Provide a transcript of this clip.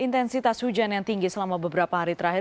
intensitas hujan yang tinggi selama beberapa hari terakhir